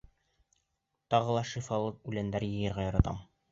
Тағы ла шифалы үләндәр йыйырға яратам.